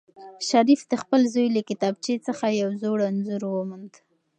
شریف د خپل زوی له کتابچې څخه یو زوړ انځور وموند.